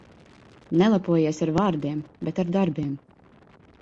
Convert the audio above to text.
Nelepojies ar vārdiem, bet ar darbiem.